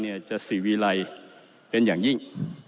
เนี่ยจะสีวีไรเป็นอย่างยิ่ง